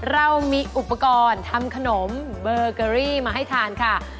เรามีอุปกรณ์ทำขนมเบอร์เกอรี่มาให้ทานค่ะ